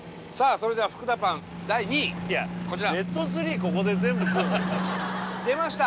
それでは福田パン第２位こちら出ました！